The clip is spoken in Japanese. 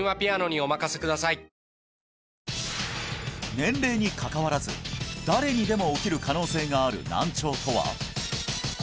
年齢に関わらず誰にでも起きる可能性がある難聴とは？